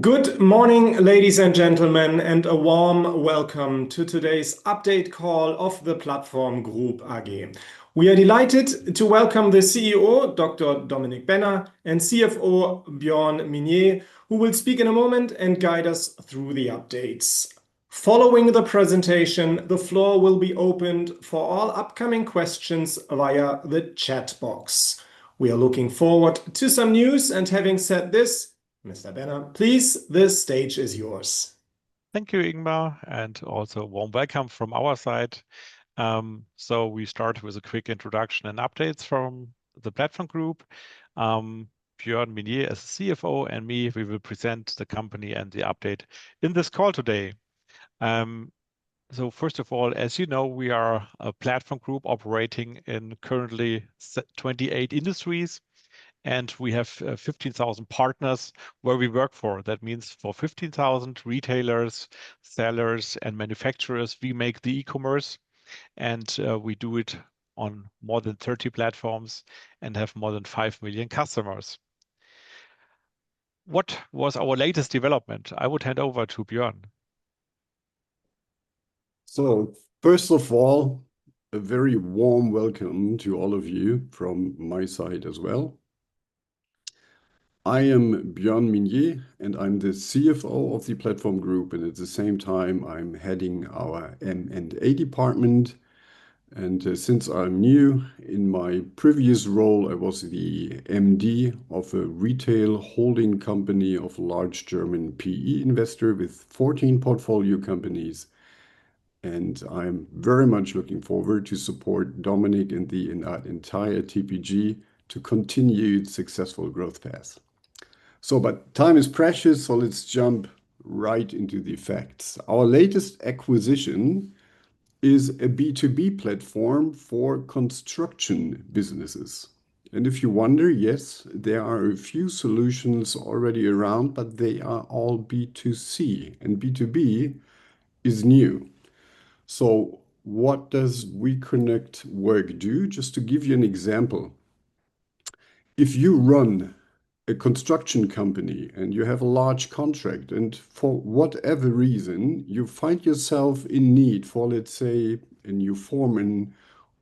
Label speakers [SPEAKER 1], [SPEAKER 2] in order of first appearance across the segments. [SPEAKER 1] Good morning, ladies and gentlemen, and a warm welcome to today's update call of The Platform Group AG. We are delighted to welcome the CEO, Dr. Dominik Benner, and CFO, Björn Minnier, who will speak in a moment and guide us through the updates. Following the presentation, the floor will be opened for all upcoming questions via the chat box. We are looking forward to some news, and having said this, Mr. Benner, please, the stage is yours.
[SPEAKER 2] Thank you, Ingmar, and also a warm welcome from our side. We start with a quick introduction and updates from The Platform Group. Björn Minnier, as CFO, and me, we will present the company and the update in this call today. First of all, as you know, we are a platform group operating in currently 28 industries, and we have 15,000 partners where we work for. That means for 15,000 retailers, sellers, and manufacturers, we make the e-commerce, and we do it on more than 30 platforms and have more than 5 million customers. What was our latest development? I would hand over to Björn.
[SPEAKER 3] First of all, a very warm welcome to all of you from my side as well. I am Björn Minnier, and I'm the CFO of The Platform Group, and at the same time, I'm heading our M&A department. Since I'm new, in my previous role, I was the MD of a retail holding company of a large German PE investor with 14 portfolio companies. I'm very much looking forward to support Dominik and the entire TPG to continue its successful growth path. Time is precious, so let's jump right into the facts. Our latest acquisition is a B2B platform for construction businesses. If you wonder, yes, there are a few solutions already around, but they are all B2C, and B2B is new. What does We Connect Work do? Just to give you an example, if you run a construction company and you have a large contract, and for whatever reason, you find yourself in need for, let's say, a new foreman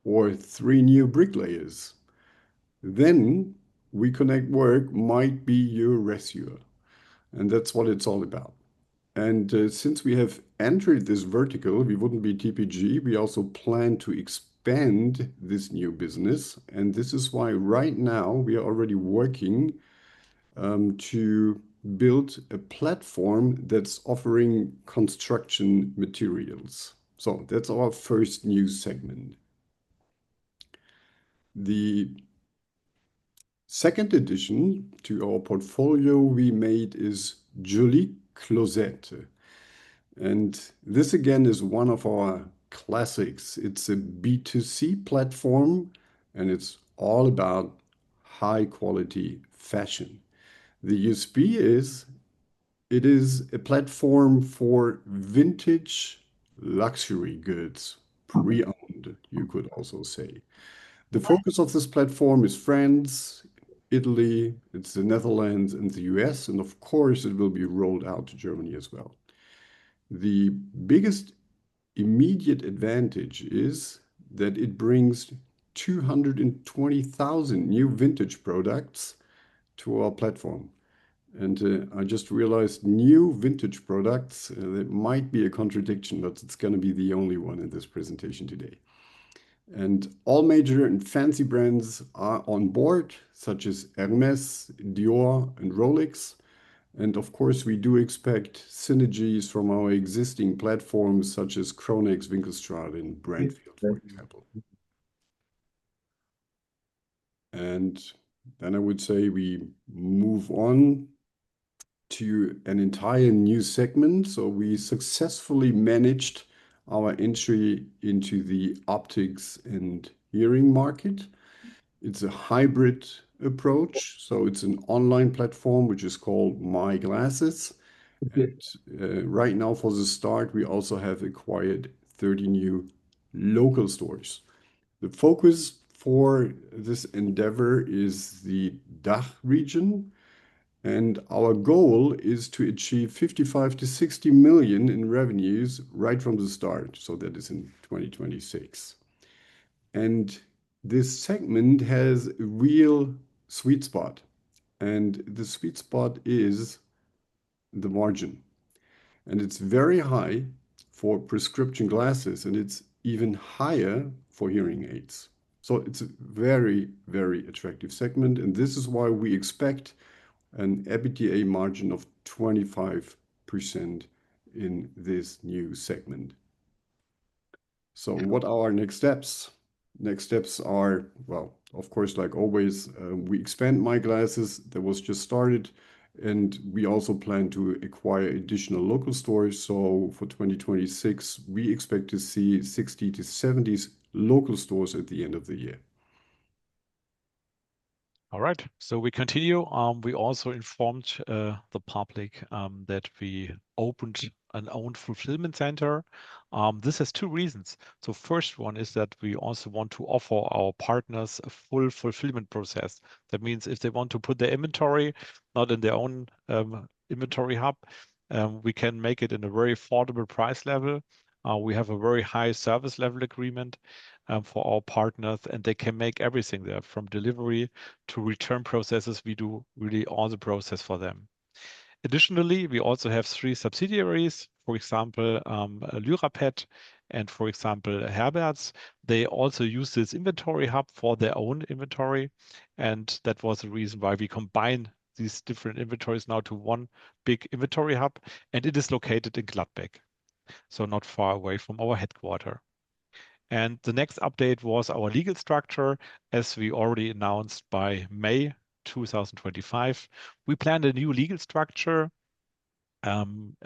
[SPEAKER 3] or three new brick layers, then We Connect Work might be your rescuer. That's what it's all about. Since we have entered this vertical, we wouldn't be TPG if we didn't also plan to expand this new business, and this is why right now we are already working to build a platform that's offering construction materials. That's our first new segment. The second addition to our portfolio we made is Joli Closet. This again is one of our classics. It's a B2C platform, and it's all about high-quality fashion. The USP is it is a platform for vintage luxury goods, pre-owned, you could also say. The focus of this platform is France, Italy, the Netherlands, and the US, and of course, it will be rolled out to Germany as well. The biggest immediate advantage is that it brings 220,000 new vintage products to our platform. I just realized new vintage products, it might be a contradiction, but it's going to be the only one in this presentation today. All major and fancy brands are on board, such as Hermès, Dior, and Rolex. Of course, we do expect synergies from our existing platforms, such as Chronex, Winkelstein, and Brandfield, for example. I would say we move on to an entire new segment. We successfully managed our entry into the optics and hearing market. It's a hybrid approach. It's an online platform, which is called My Glasses. Right now, for the start, we also have acquired 30 new local stores. The focus for this endeavor is the DACH region, and our goal is to achieve $55 to $60 million in revenues right from the start. That is in 2026. This segment has a real sweet spot, and the sweet spot is the margin. It's very high for prescription glasses, and it's even higher for hearing aids. It's a very, very attractive segment, which is why we expect an EBITDA margin of 25% in this new segment. What are our next steps? Next steps are, of course, like always, we expand My Glasses that was just started, and we also plan to acquire additional local stores. For 2026, we expect to see 60-70 local stores at the end of the year.
[SPEAKER 2] All right, so we continue. We also informed the public that we opened an own fulfillment center. This has two reasons. The first one is that we also want to offer our partners a full fulfillment process. That means if they want to put their inventory not in their own inventory hub, we can make it in a very affordable price level. We have a very high service level agreement for our partners, and they can make everything there from delivery to return processes. We do really all the process for them. Additionally, we also have three subsidiaries, for example, Lerapet and, for example, Herberts. They also use this inventory hub for their own inventory, and that was the reason why we combined these different inventories now to one big inventory hub, and it is located in Gladbeck, not far away from our headquarters. The next update was our legal structure, as we already announced by May 2025. We planned a new legal structure, and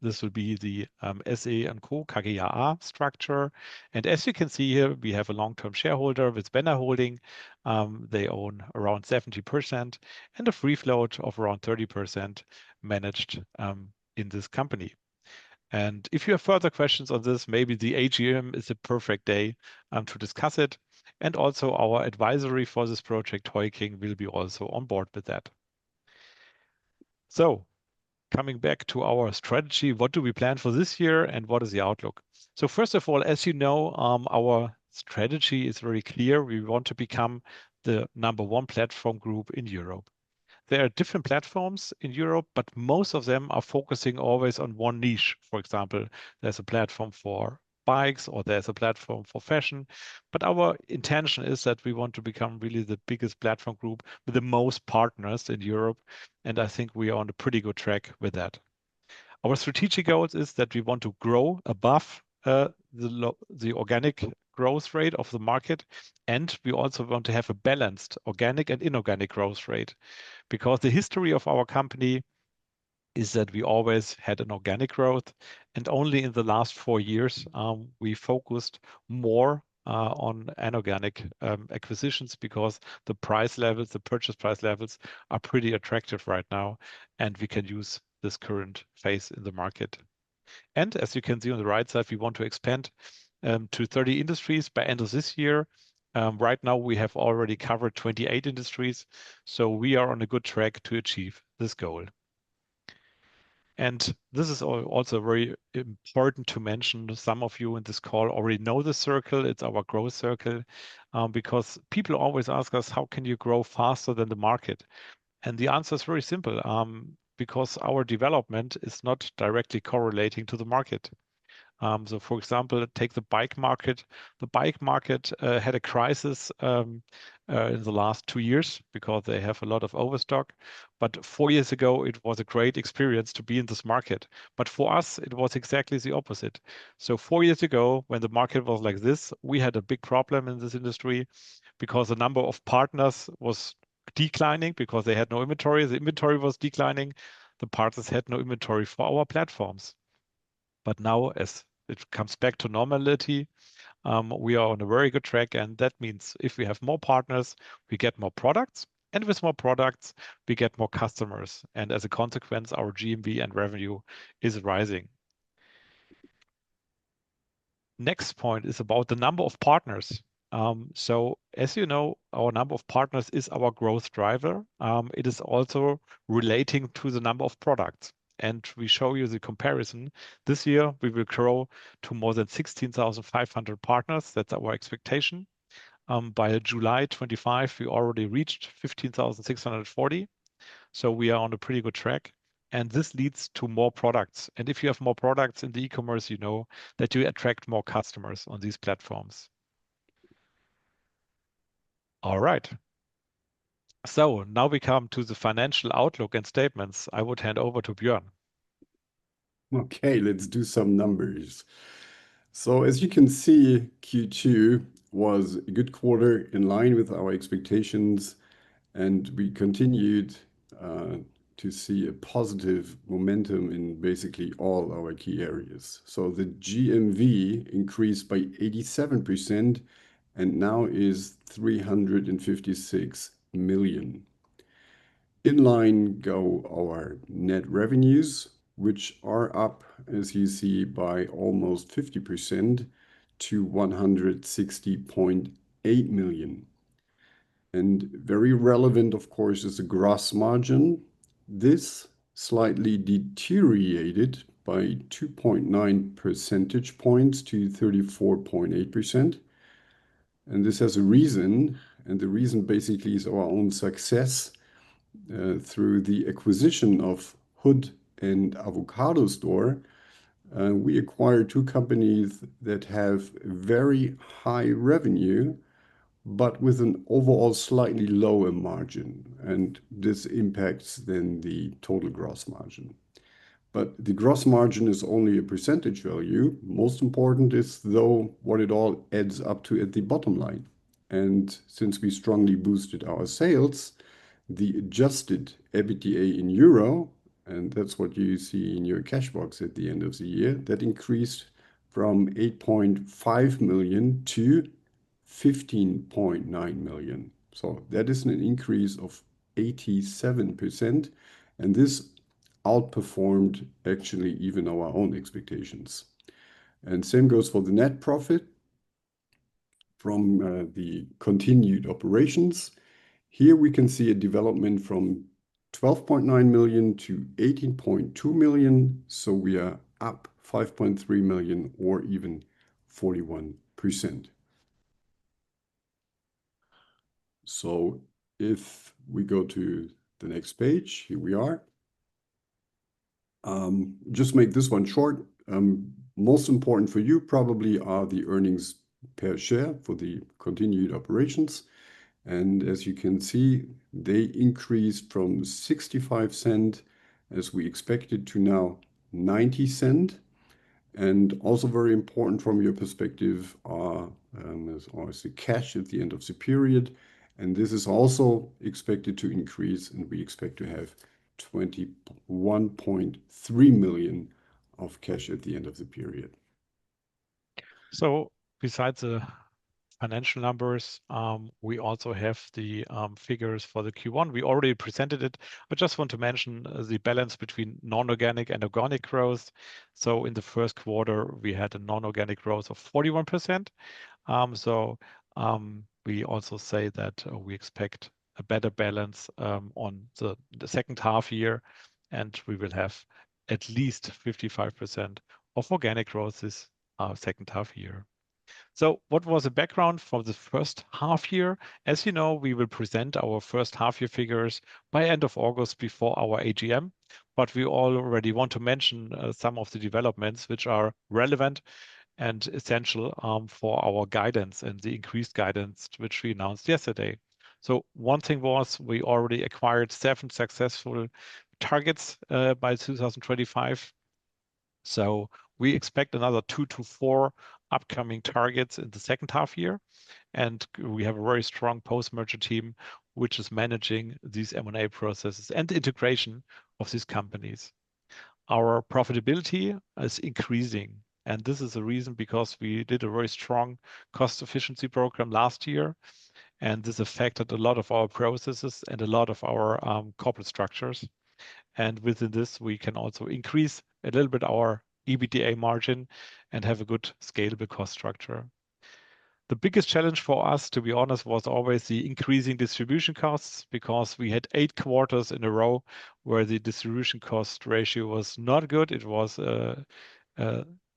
[SPEAKER 2] this will be the SE & Co. KGA structure. As you can see here, we have a long-term shareholder with Benner Holding. They own around 70% and a free float of around 30% managed in this company. If you have further questions on this, maybe the AGM is a perfect day to discuss it. Also, our advisory for this project, Heuking, will be also on board with that. Coming back to our strategy, what do we plan for this year, and what is the outlook? First of all, as you know, our strategy is very clear. We want to become the number one platform group in Europe. There are different platforms in Europe, but most of them are focusing always on one niche. For example, there's a platform for bikes, or there's a platform for fashion. Our intention is that we want to become really the biggest platform group with the most partners in Europe, and I think we are on a pretty good track with that. Our strategic goal is that we want to grow above the organic growth rate of the market, and we also want to have a balanced organic and inorganic growth rate because the history of our company is that we always had an organic growth, and only in the last four years, we focused more on inorganic acquisitions because the price levels, the purchase price levels, are pretty attractive right now, and we can use this current phase in the market. As you can see on the right side, we want to expand to 30 industries by the end of this year. Right now, we have already covered 28 industries, so we are on a good track to achieve this goal. This is also very important to mention. Some of you in this call already know the circle. It's our growth circle because people always ask us, "How can you grow faster than the market?" The answer is very simple because our development is not directly correlating to the market. For example, take the bike market. The bike market had a crisis in the last two years because they have a lot of overstock. Four years ago, it was a great experience to be in this market. For us, it was exactly the opposite. Four years ago, when the market was like this, we had a big problem in this industry because the number of partners was declining because they had no inventory. The inventory was declining. The partners had no inventory for our platforms. Now, as it comes back to normality, we are on a very good track, and that means if we have more partners, we get more products, and with more products, we get more customers. As a consequence, our GMV and revenue is rising. Next point is about the number of partners. As you know, our number of partners is our growth driver. It is also relating to the number of products. We show you the comparison. This year, we will grow to more than 16,500 partners. That's our expectation. By July 25, we already reached 15,640. We are on a pretty good track. This leads to more products. If you have more products in the e-commerce, you know that you attract more customers on these platforms. All right. Now we come to the financial outlook and statements. I would hand over to Björn.
[SPEAKER 3] Okay, let's do some numbers. As you can see, Q2 was a good quarter in line with our expectations, and we continued to see a positive momentum in basically all our key areas. The GMV increased by 87% and now is €356 million. In line go our net revenues, which are up, as you see, by almost 50% to €160.8 million. Very relevant, of course, is the gross margin. This slightly deteriorated by 2.9 percentage points to 34.8%. This has a reason, and the reason basically is our own success through the acquisition of Hood and Avocado Store. We acquired two companies that have very high revenue, but with an overall slightly lower margin. This impacts then the total gross margin. The gross margin is only a percentage value. Most important is, though, what it all adds up to at the bottom line. Since we strongly boosted our sales, the adjusted EBITDA in euro, and that's what you see in your cash box at the end of the year, that increased from €8.5 million to €15.9 million. That is an increase of 87%. This outperformed actually even our own expectations. Same goes for the net profit from the continued operations. Here we can see a development from €12.9 million-€18.2 million. We are up €5.3 million or even 41%. If we go to the next page, here we are. Just make this one short. Most important for you probably are the earnings per share for the continued operations. As you can see, they increased from €0.65, as we expected, to now €0.90. Also very important from your perspective is cash at the end of the period. This is also expected to increase, and we expect to have €21.3 million of cash at the end of the period.
[SPEAKER 2] Besides the financial numbers, we also have the figures for Q1. We already presented it, but just want to mention the balance between non-organic and organic growth. In the first quarter, we had a non-organic growth of 41%. We also say that we expect a better balance in the second half year, and we will have at least 55% of organic growth this second half year. What was the background for the first half year? As you know, we will present our first half-year figures by the end of August before our AGM. We already want to mention some of the developments which are relevant and essential for our guidance and the increased guidance which we announced yesterday. One thing was we already acquired seven successful targets by 2025. We expect another two to four upcoming targets in the second half year. We have a very strong post-merger team which is managing these M&A processes and the integration of these companies. Our profitability is increasing, and this is a reason because we did a very strong cost-efficiency program last year, and this affected a lot of our processes and a lot of our corporate structures. Within this, we can also increase a little bit our EBITDA margin and have a good scalable cost structure. The biggest challenge for us, to be honest, was always the increasing distribution costs because we had eight quarters in a row where the distribution cost ratio was not good. It was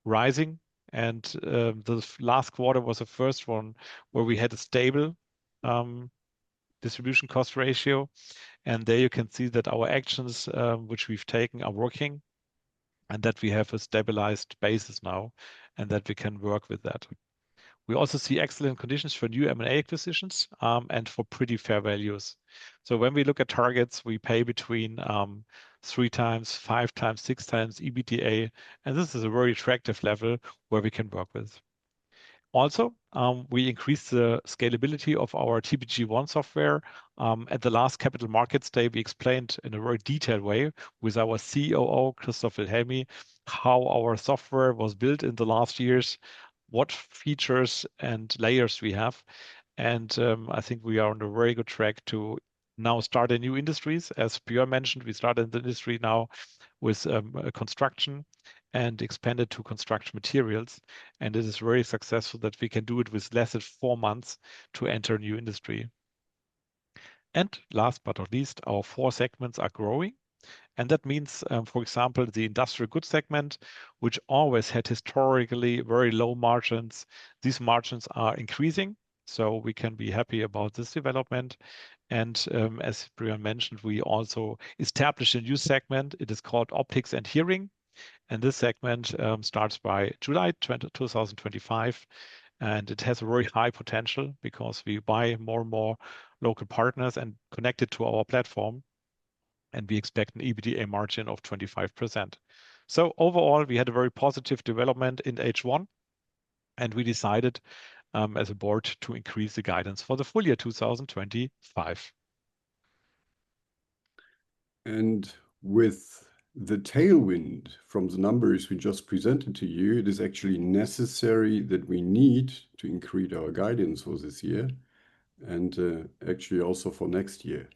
[SPEAKER 2] rising. The last quarter was the first one where we had a stable distribution cost ratio. There you can see that our actions, which we've taken, are working and that we have a stabilized basis now and that we can work with that. We also see excellent conditions for new M&A acquisitions and for pretty fair values. When we look at targets, we pay between three times, five times, six times EBITDA. This is a very attractive level where we can work with. Also, we increased the scalability of our TPG One software. At the last Capital Markets Day, we explained in a very detailed way with our COO, Christoph Wilhelmy, how our software was built in the last years, what features and layers we have. I think we are on a very good track to now start in new industries. As Björn mentioned, we started in the industry now with construction and expanded to construction materials. It is very successful that we can do it with less than four months to enter a new industry. Last but not least, our four segments are growing. That means, for example, the industrial goods segment, which always had historically very low margins. These margins are increasing, so we can be happy about this development. As Björn mentioned, we also established a new segment. It is called Optics and Hearing. This segment starts by July 2025, and it has a very high potential because we buy more and more local partners and connect it to our platform. We expect an EBITDA margin of 25%. Overall, we had a very positive development in H1, and we decided as a board to increase the guidance for the full year 2025.
[SPEAKER 3] With the tailwind from the numbers we just presented to you, it is actually necessary that we need to increase our guidance for this year and actually also for next year.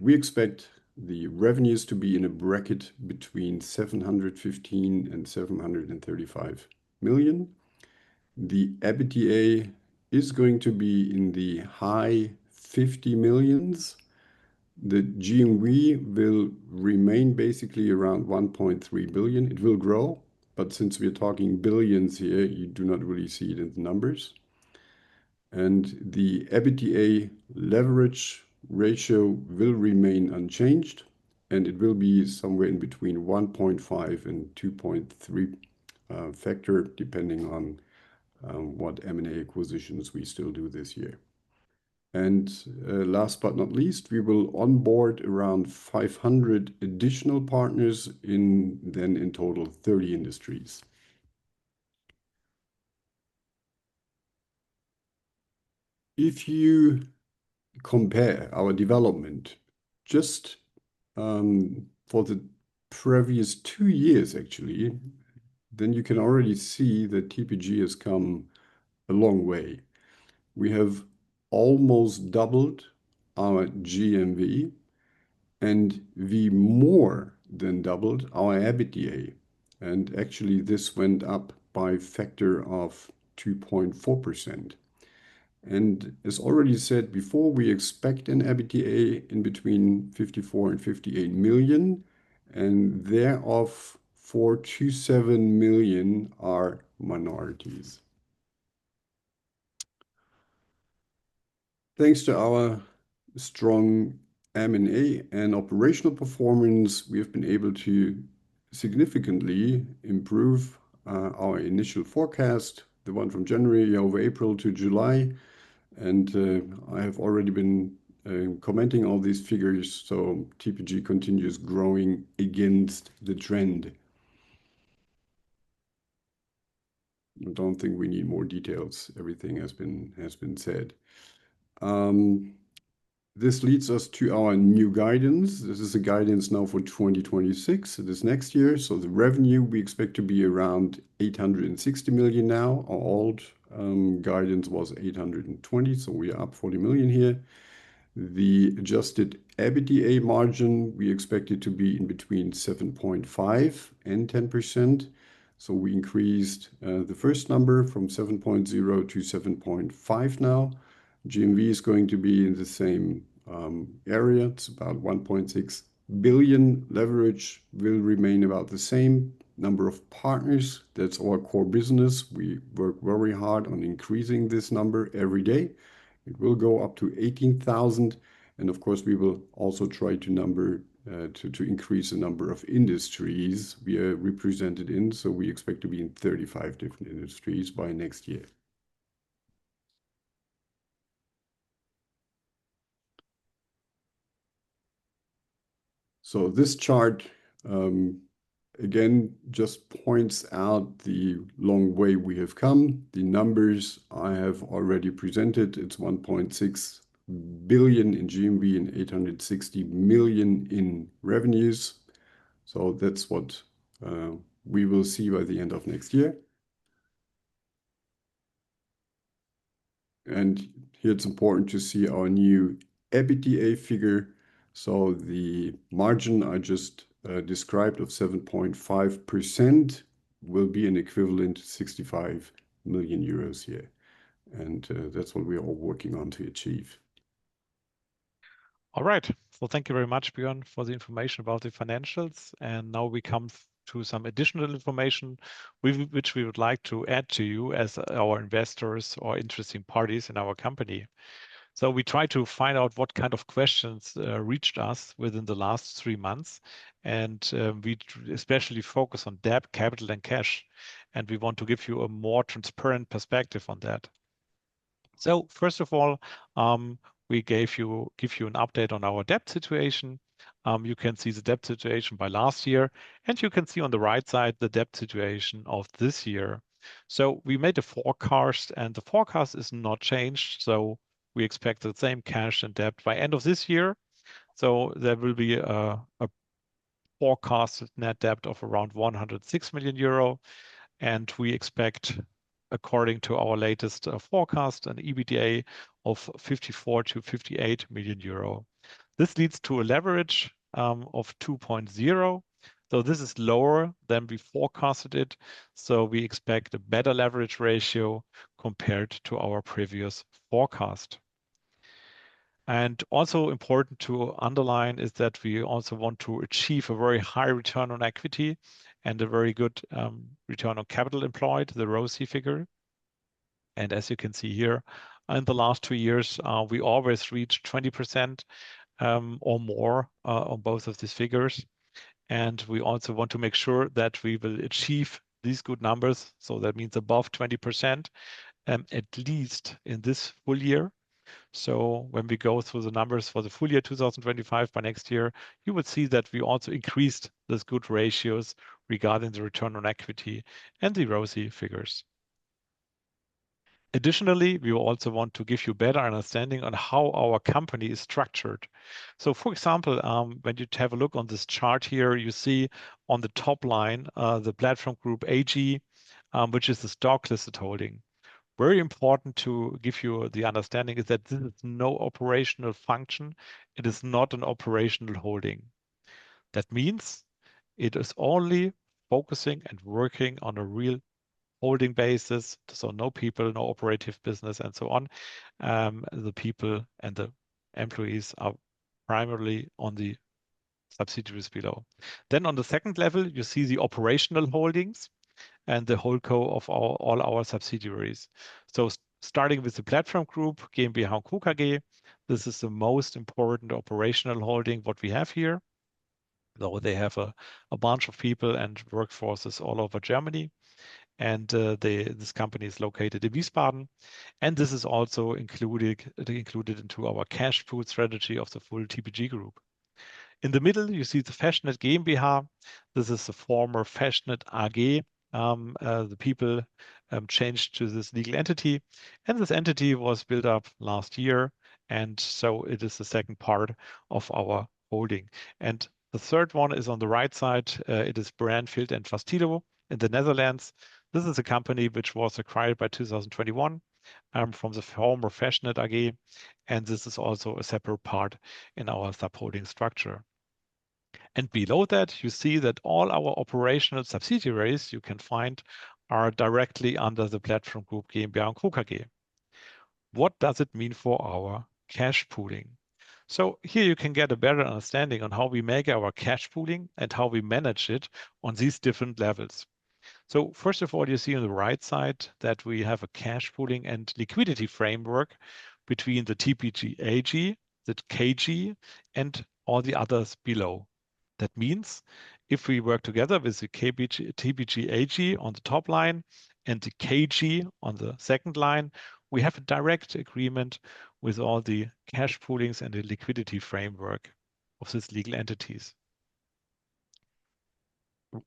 [SPEAKER 3] We expect the revenues to be in a bracket between €715 million and €735 million. The EBITDA is going to be in the high €50 millions. The GMV will remain basically around €1.3 billion. It will grow, but since we are talking billions here, you do not really see it in the numbers. The EBITDA leverage ratio will remain unchanged, and it will be somewhere in between a 1.5 and 2.3 factor depending on what M&A acquisitions we still do this year. Last but not least, we will onboard around 500 additional partners, then in total 30 industries. If you compare our development just for the previous two years, actually, then you can already see that The Platform Group AG has come a long way. We have almost doubled our GMV and we more than doubled our EBITDA. This went up by a factor of 2.4%. As already said before, we expect an EBITDA in between €54 million and €58 million, and thereof €427 million are minorities. Thanks to our strong M&A and operational performance, we have been able to significantly improve our initial forecast, the one from January over April to July. I have already been commenting on these figures, so The Platform Group AG continues growing against the trend. I don't think we need more details. Everything has been said. This leads us to our new guidance. This is a guidance now for 2026, this next year. The revenue we expect to be around €860 million now. Our old guidance was €820 million, so we are up €40 million here. The adjusted EBITDA margin we expected to be in between 7.5% and 10%. We increased the first number from 7.0%-7.5% now. GMV is going to be in the same area. It's about €1.6 billion. Leverage will remain about the same. Number of partners, that's our core business. We work very hard on increasing this number every day. It will go up to 18,000. Of course, we will also try to increase the number of industries we are represented in. We expect to be in 35 different industries by next year. This chart again just points out the long way we have come. The numbers I have already presented, it's €1.6 billion in GMV and €860 million in revenues. That's what we will see by the end of next year. Here, it's important to see our new EBITDA figure. The margin I just described of 7.5% will be an equivalent to €65 million here. That's what we are working on to achieve.
[SPEAKER 2] All right. Thank you very much, Björn, for the information about the financials. Now we come to some additional information which we would like to add to you as our investors or interested parties in our company. We try to find out what kind of questions reached us within the last three months. We especially focus on debt, capital, and cash. We want to give you a more transparent perspective on that. First of all, we give you an update on our debt situation. You can see the debt situation by last year, and you can see on the right side the debt situation of this year. We made a forecast, and the forecast has not changed. We expect the same cash and debt by the end of this year. There will be a forecast net debt of around €106 million. We expect, according to our latest forecast, an EBITDA of €54 to €58 million. This leads to a leverage of 2.0. This is lower than we forecasted it. We expect a better leverage ratio compared to our previous forecast. Also important to underline is that we also want to achieve a very high return on equity and a very good return on capital employed, the ROC figure. As you can see here, in the last two years, we always reach 20% or more on both of these figures. We also want to make sure that we will achieve these good numbers. That means above 20% at least in this full year. When we go through the numbers for the full year 2025 by next year, you will see that we also increased those good ratios regarding the return on equity and the ROC figures. Additionally, we also want to give you a better understanding on how our company is structured. For example, when you have a look on this chart here, you see on the top line The Platform Group AG, which is the stock listed holding. Very important to give you the understanding is that this is no operational function. It is not an operational holding. That means it is only focusing and working on a real holding basis. No people, no operative business, and so on. The people and the employees are primarily on the subsidiaries below. Then on the second level, you see the operational holdings and the whole core of all our subsidiaries. Starting with The Platform Group GmbH & Co. KG, this is the most important operational holding that we have here. They have a bunch of people and workforces all over Germany. This company is located in Wiesbaden. This is also included into our cash pool strategy of the full The Platform Group AG. In the middle, you see the Fashionet GmbH. This is the former Fashionet AG. The people changed to this legal entity. This entity was built up last year. It is the second part of our holding. The third one is on the right side. It is Brandveld & Vastilo in the Netherlands. This is a company which was acquired in 2021. I'm from the former Fashionet AG. This is also a separate part in our sub-holding structure. Below that, you see that all our operational subsidiaries you can find are directly under The Platform Group GmbH & Co. KG. What does it mean for our cash pooling? Here you can get a better understanding on how we make our cash pooling and how we manage it on these different levels. First of all, you see on the right side that we have a cash pooling and liquidity framework between The Platform Group AG, the KG, and all the others below. That means if we work together with The Platform Group AG on the top line and the KG on the second line, we have a direct agreement with all the cash poolings and the liquidity framework of these legal entities.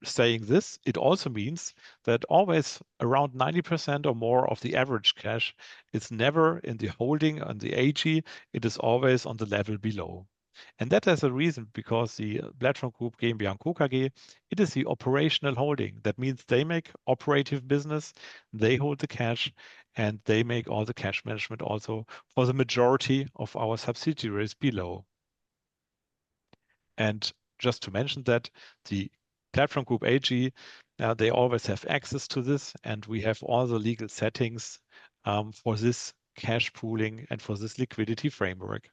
[SPEAKER 2] Saying this, it also means that always around 90% or more of the average cash is never in the holding on the AG. It is always on the level below. That has a reason because The Platform Group GmbH & Co. KG is the operational holding. That means they make operative business, they hold the cash, and they make all the cash management also for the majority of our subsidiaries below. Just to mention that The Platform Group AG always has access to this, and we have all the legal settings for this cash pooling and for this liquidity framework.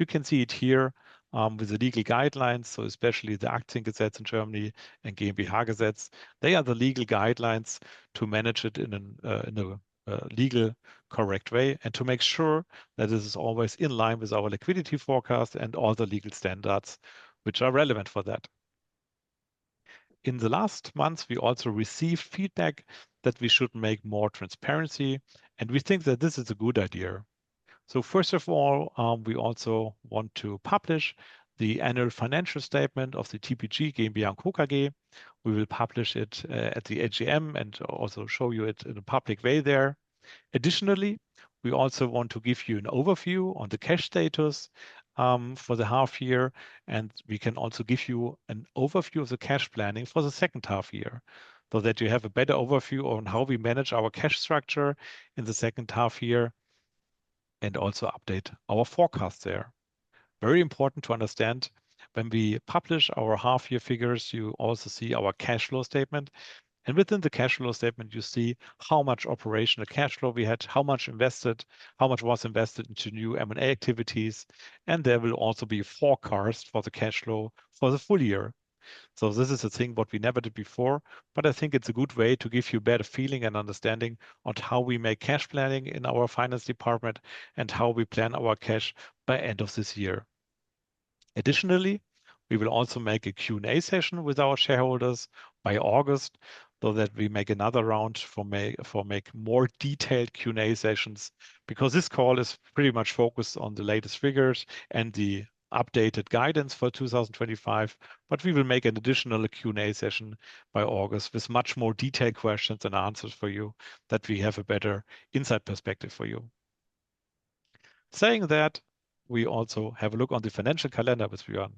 [SPEAKER 2] You can see it here with the legal guidelines. Especially the acting gazettes in Germany and GmbH gazettes are the legal guidelines to manage it in a legal, correct way and to make sure that this is always in line with our liquidity forecast and all the legal standards which are relevant for that. In the last months, we also received feedback that we should make more transparency, and we think that this is a good idea. First of all, we also want to publish the annual financial statement of The Platform Group GmbH & Co. KG. We will publish it at the AGM and also show you it in a public way there. Additionally, we also want to give you an overview on the cash status for the half year, and we can also give you an overview of the cash planning for the second half year so that you have a better overview on how we manage our cash structure in the second half year and also update our forecast there. It is very important to understand when we publish our half-year figures, you also see our cash flow statement. Within the cash flow statement, you see how much operational cash flow we had, how much invested, how much was invested into new M&A activities. There will also be forecasts for the cash flow for the full year. This is a thing what we never did before, but I think it's a good way to give you a better feeling and understanding on how we make cash planning in our finance department and how we plan our cash by the end of this year. Additionally, we will also make a Q&A session with our shareholders by August so that we make another round for more detailed Q&A sessions because this call is pretty much focused on the latest figures and the updated guidance for 2025. We will make an additional Q&A session by August with much more detailed questions and answers for you that we have a better insight perspective for you. Saying that, we also have a look on the financial calendar with Björn.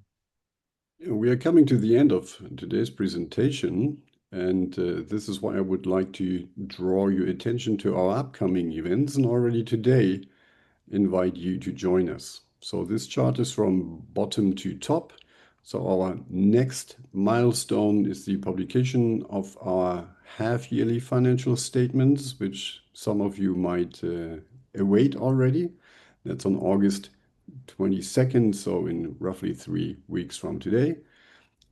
[SPEAKER 3] We are coming to the end of today's presentation, and this is why I would like to draw your attention to our upcoming events and already today invite you to join us. This chart is from bottom to top. Our next milestone is the publication of our half-yearly financial statements, which some of you might await already. That's on August 22nd, in roughly three weeks from today.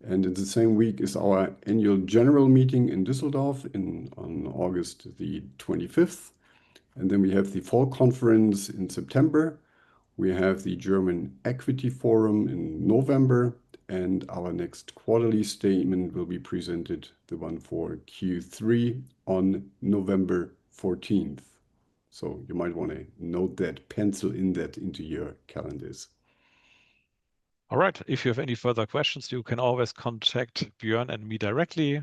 [SPEAKER 3] In the same week is our annual general meeting in Düsseldorf on August 25th. We have the fall conference in September, the German Equity Forum in November, and our next quarterly statement will be presented, the one for Q3, on November 14th. You might want to note that, pencil in that into your calendars.
[SPEAKER 2] All right. If you have any further questions, you can always contact Björn and me directly.